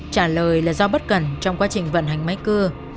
trả lời là do bất cần trong quá trình vận hành máy cưa